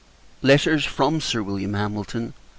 Letters FROM SIR WILLIAM HAMILTON, K.